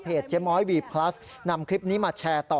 เจ๊ม้อยวีพลัสนำคลิปนี้มาแชร์ต่อ